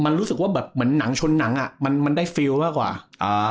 มันรู้สึกว่าแบบเหมือนหนังชนหนังอ่ะมันมันได้ฟิลมากกว่าอ่า